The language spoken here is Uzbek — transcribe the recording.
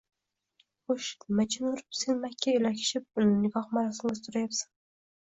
Xo`sh, nima jin urib sen Makka ilakishib, uni nikoh marosimiga sudrayapsan